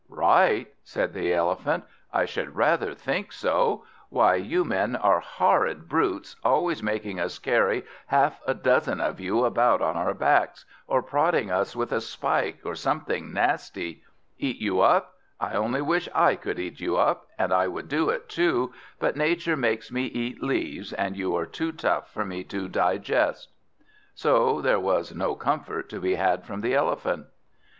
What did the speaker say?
"Right?" said the Elephant, "I should rather think so! Why, you men are horrid brutes, always making us carry half a dozen of you about on our backs, or prodding us with a spike, or something nasty. Eat you up? I only wish I could eat you up, and I would do it too, but nature makes me eat leaves, and you are too tough for me to digest." So there was no comfort to be had from the Elephant.